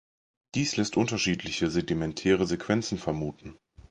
Dies lässt unterschiedliche sedimentäre Sequenzen vermuten.